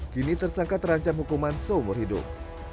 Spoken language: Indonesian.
kini tersangka terancam hukuman seumur hidup